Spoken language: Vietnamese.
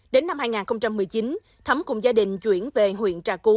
đến năm hai nghìn một mươi chín thấm cùng gia đình chuyển về huyện trà cú